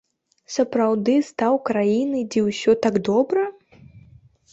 Сапраўды стаў краінай, дзе ўсё так добра?